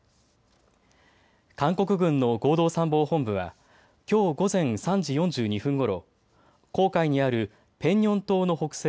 韓国軍の合同参謀本部はきょう午前３時４２分ごろ、黄海にあるペンニョン島の北西